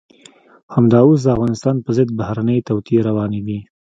همدا اوس د افغانستان په ضد بهرنۍ توطئې روانې دي.